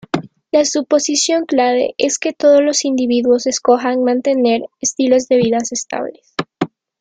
La suposición clave es que todos los individuos escogen mantener estilos de vida estables.